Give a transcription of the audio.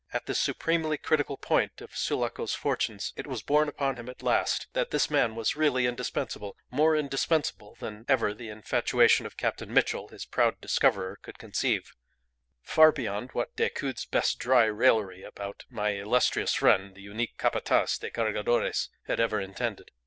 At this supremely critical point of Sulaco's fortunes it was borne upon him at last that this man was really indispensable, more indispensable than ever the infatuation of Captain Mitchell, his proud discoverer, could conceive; far beyond what Decoud's best dry raillery about "my illustrious friend, the unique Capataz de Cargadores," had ever intended.